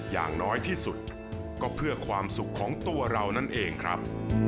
อย่างน้อยที่สุดก็เพื่อความสุขของตัวเรานั่นเองครับ